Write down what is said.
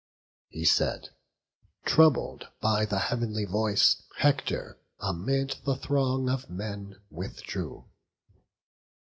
He said; and troubled by the heav'nly voice, Hector amid the throng of men withdrew.